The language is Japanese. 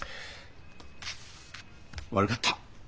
悪かった。